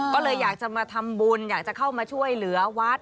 ก็เลยอยากจะมาทำบุญอยากจะเข้ามาช่วยเหลือวัด